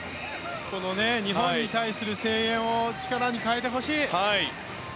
この日本に対する声援を力に変えてほしい。